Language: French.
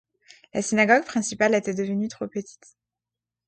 La synagogue principale était devenue trop petite.